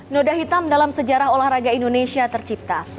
noda hitam dalam sejarah olahraga indonesia tercipta